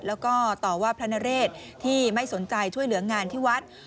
แล้วก็ต่อว่าพระนเรศที่ไม่สนใจช่วยเหลืองานที่วัด